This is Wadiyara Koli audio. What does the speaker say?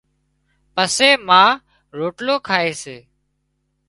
پسي ما روٽلو کائي سي